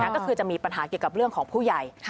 ก็คือจะมีปัญหาเกี่ยวกับเรื่องของผู้ใหญ่